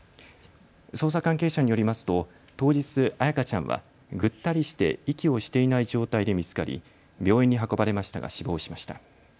捜査関係者によりますと当日、彩花ちゃんはぐったりして息をしていない状態で見つかり病院に運ばれましたが死亡しました。